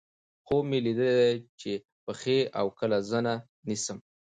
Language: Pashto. خوب مې ليدلے چې دې پښې اؤ کله زنه نيسم